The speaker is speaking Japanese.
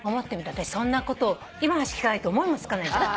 私そんなこと今の話聞かないと思いもつかないじゃない。